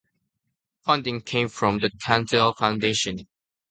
Funding came from the Carnegie Foundation.